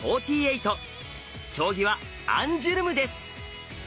将棋はアンジュルムです。